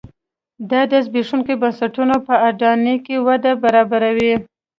دا د زبېښونکو بنسټونو په اډانه کې وده برابروي.